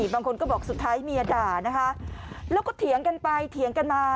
บางคนก็บอกสุดท้ายเมียด่านะคะแล้วก็เถียงกันไปเถียงกันมา